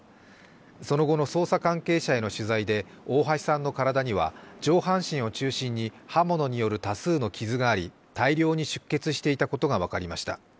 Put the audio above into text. その後の捜査関係者への取材で大橋さんの体には上半身を中心に刃物による多数の傷があり大量に出血していたことが分かりました。